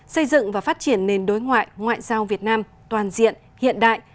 xây dựng và phát triển nền đối ngoại ngoại giao việt nam toàn diện hiện đại